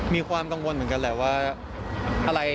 มีความกังวลเหมือนกันแหละว่าอะไร